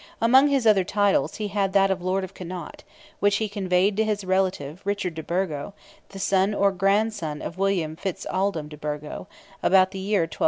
Among his other titles he held that of Lord of Connaught, which he conveyed to his relative, Richard de Burgo, the son or grandson of William Fitz Aldelm de Burgo, about the year 1225.